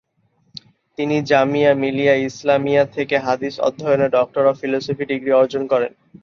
তিনি জামিয়া মিলিয়া ইসলামিয়া থেকে হাদিস অধ্যয়নে ডক্টর অব ফিলোসফি ডিগ্রী অর্জন করেন।